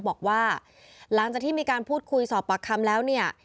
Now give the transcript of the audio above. บอกว่าหลังจากที่มีการพูดคุยสอบปากคำแล้วเนี่ย